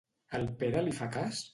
El Pere li fa cas?